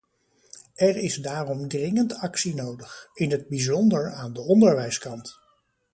Er is daarom dringend actie nodig, in het bijzonder aan de onderwijskant.